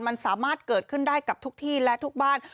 มันสามารถเกิดขึ้นได้กับทุกที่และทุกบ้าน